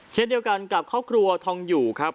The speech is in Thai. เช่นเดียวกันกับครอบครัวทองอยู่ครับ